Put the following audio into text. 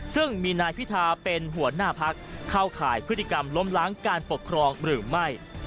ซึ่งมีนายพิธาเป็นหัวหน้าพักเข้าข่ายพฤติกรรมล้มล้างการปกครองหรือไม่